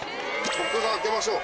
僕が開けましょう。